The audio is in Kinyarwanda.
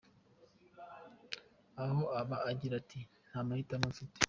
Aho aba agira ati: “Nta mahitamo mfite”.